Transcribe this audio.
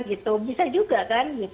gitu bisa juga kan